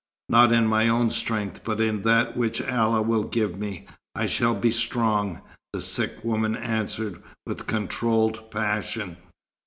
"Not in my own strength, but in that which Allah will give me, I shall be strong," the sick woman answered with controlled passion.